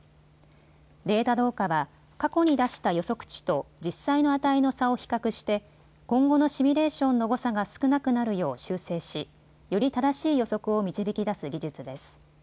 データ同化は過去に出した予測値と実際の値の差を比較して今後のシミュレーションの誤差が少なくなるよう修正しより正しい予測を導き出す技術です。